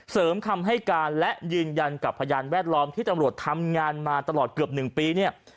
คำให้การและยืนยันกับพยานแวดล้อมที่ตำรวจทำงานมาตลอดเกือบ๑ปีเนี่ย